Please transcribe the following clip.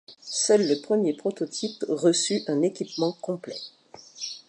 Seul le premier prototype reçut un équipement complet.